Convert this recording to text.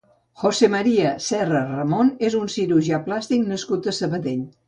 José Maria Serra Renom és un cirurgià plàstic nascut a Sabadell.